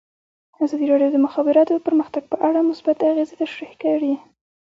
ازادي راډیو د د مخابراتو پرمختګ په اړه مثبت اغېزې تشریح کړي.